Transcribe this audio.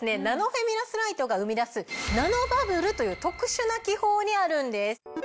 ナノフェミラスライトが生み出すナノバブルという特殊な気泡にあるんです。